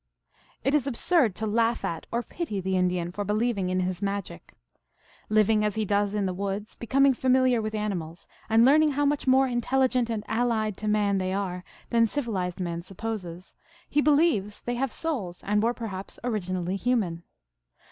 It is absurd to laugh at or pity the Indian for be lieving in his magic. Living as he does in the woods, becoming familiar with animals, and learning how much more intelligent and allied to man they are than civilized man supposes, he believes they have souls, and were perhaps originally human.